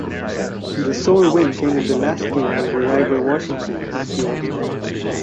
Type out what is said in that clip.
The sole win came in the last game over rival Washington in Seattle.